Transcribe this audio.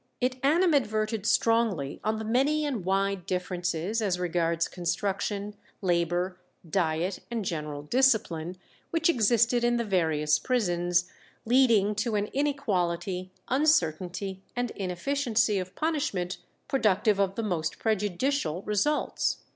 It animadverted strongly on "the many and wide differences as regards construction, labour, diet, and general discipline" which existed in the various prisons, "leading to an inequality, uncertainty, and inefficiency of punishment productive of the most prejudicial results."